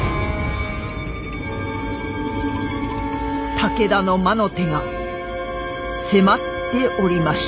武田の魔の手が迫っておりました。